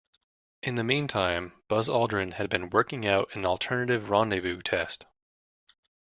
In the meantime, Buzz Aldrin had been working out an alternative rendezvous test.